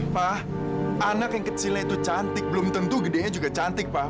pak anak yang kecilnya itu cantik belum tentu gedenya juga cantik pak